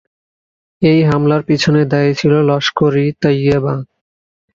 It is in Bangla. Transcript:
এই হামলার পিছনে দায়ী ছিল লস্কর-ই-তাইয়েবা।